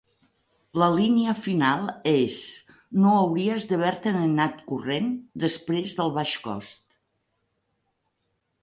La línia final és: "No hauries d'haver-te'n anat corrent després del baix cost".